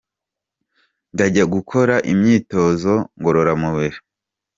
Ndajya gukora imyitozo ngororamubiri.